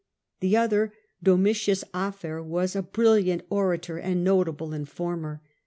The other, Domitius Afer, was a brilliant orator and notable informer.